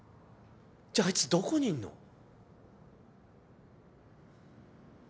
じゃあいつどこにいんの？